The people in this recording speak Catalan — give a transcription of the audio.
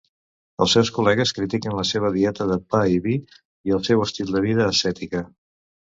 Els seus col·legues critiquen la seva dieta de pa i vi, i el seu estil de vida ascètica.